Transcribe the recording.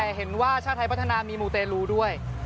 แต่เห็นว่าชาติไทยพัฒนามีมูเตลูด้วย